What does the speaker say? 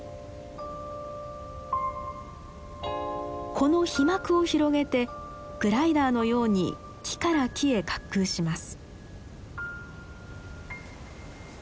この飛膜を広げてグライダーのように木から木へ滑空します。